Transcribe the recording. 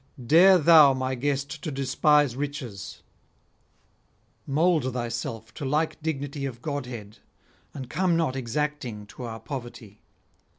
Dare thou, my guest, to despise riches; mould thyself to [365 396]like dignity of godhead, and come not exacting to our poverty.'